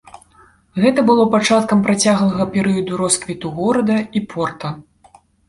Гэта было пачаткам працяглага перыяду росквіту горада і порта.